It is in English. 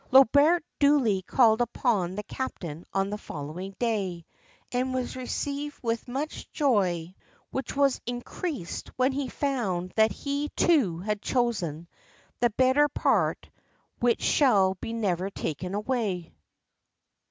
Lobert duly called upon the captain on the following day, and was received with much joy, which was increased when he found that he too had chosen that better part which shall never be taken away.